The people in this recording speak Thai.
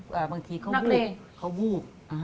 บางทีเขาวูบเขาวูบ